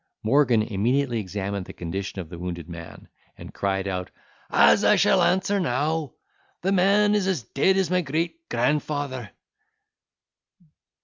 Morgan immediately examined the condition of the wounded man, and cried out, "As I shall answer now, the man is as dead as my great grandfather."